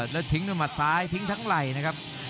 แล้วทิ้งด้วยหมัดซ้ายทิ้งทั้งไหล่นะครับ